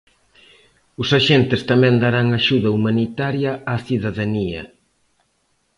Os axentes tamén darán axuda humanitaria á cidadanía.